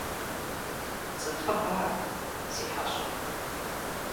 Сыт хъыбар, си хьэщӀэ?